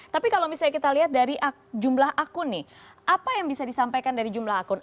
tapi kalau misalnya kita lihat dari jumlah akun nih apa yang bisa disampaikan dari jumlah akun